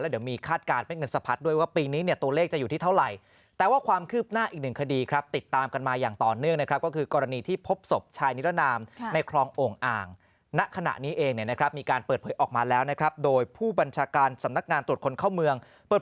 และเดี๋ยวมีคาดการณ์เป็นเงินสะพัด